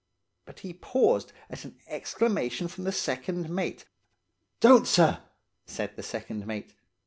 But he paused at an exclamation from the second mate: "'Don't sir,' said the second mate.